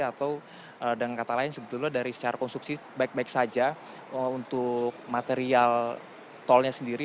atau dengan kata lain sebetulnya dari secara konstruksi baik baik saja untuk material tolnya sendiri